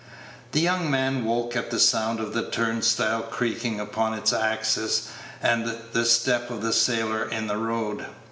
The young man woke at the sound of the turnstile creaking upon its axis, and the step of the sailor in the road.